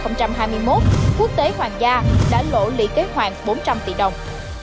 năm hai nghìn hai mươi một quốc tế hoàng gia đã lộ lý kế hoàn bốn trăm linh tỷ đồng